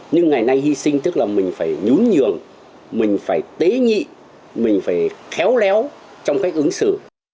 nhưng ngày nay hy sinh tức là mình phải nhún nhường mình phải tế nhị mình phải khéo léo trong cách ứng xử